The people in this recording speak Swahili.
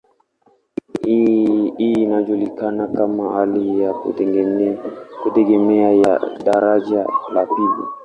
Hii inajulikana kama hali ya kutegemeana ya daraja la pili.